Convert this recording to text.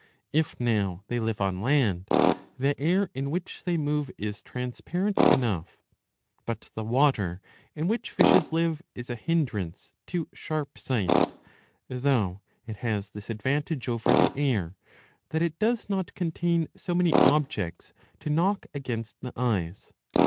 If now they live on land, the air in which they move is transparent enough. But the water in which fishes live is a hindrance to sharp sight, though it has this advantage over the air, that it does not contain so many objects to knock against the eyes.